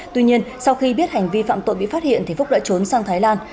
tuy nhiên sau khi biết hành vi phạm tội bị phát hiện thì phúc đã trốn sang thái lan